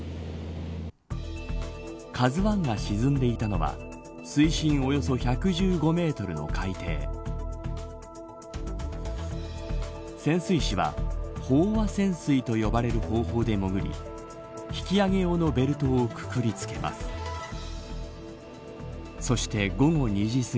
１が沈んでいたのは水深およそ１１５メートルの海底潜水士は飽和潜水と呼ばれる方法で潜り引き揚げ用のベルトをくくりつけます。